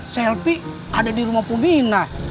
selfie ada di rumah pubina